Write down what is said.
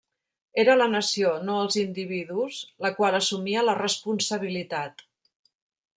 Era la Nació, no els individus, la qual assumia la responsabilitat.